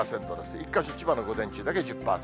１か所、千葉の午前中だけ１０％。